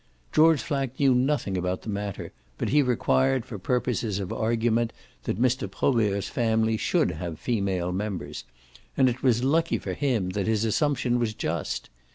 George Flack knew nothing about the matter, but he required for purposes of argument that Mr. Probert's family should have female members, and it was lucky for him that his assumption was just.